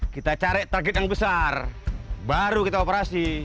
kita cari target yang besar baru kita operasi